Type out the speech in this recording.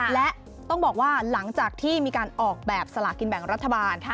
และต้องบอกว่าหลังจากที่มีการออกแบบสลากินแบ่งรัฐบาล